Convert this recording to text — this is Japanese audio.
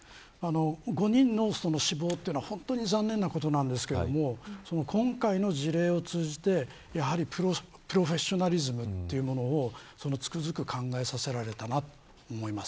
５人の死亡というのは本当に残念なことですが今回の事例を通じてやはりプロフェッショナリズムというものをつくづく考えさせられたなと思います。